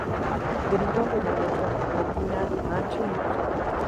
Deriva de la letra latina h minúscula.